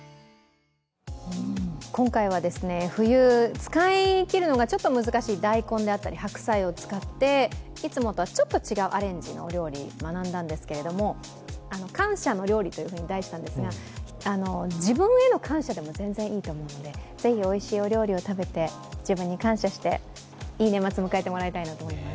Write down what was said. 今回は、冬、使い切るのがちょっと難しい大根であったり白菜を使って、いつもとはちょっと違うアレンジのお料理を学んだんですけど感謝の料理というふうに題したんですが、自分への感謝でも全然いいと思うのでぜひおいしいお料理を食べて自分に感謝していい年末を迎えてもらいたいなと思います。